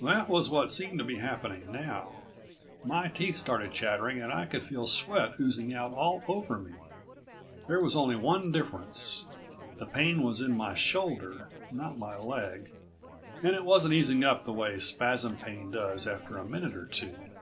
That was what seemed to be happening now. My teeth started chattering and I could feel sweat oozing out all over me. There was only one difference. The pain was in my shoulder, not my leg, and it wasn't easing up the way spasm pain does after a minute or two.